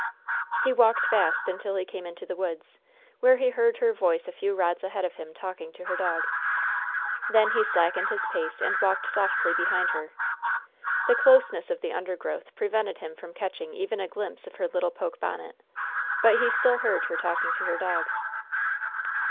He walked fast until he came into the woods, where he heard her voice a few rods ahead of him talking to her dog. Then he slackened his pace and walked softly behind her. The closeness of the undergrowth prevented him from catching even a glimpse of her little poke bonnet; but he still heard her talking to her dog.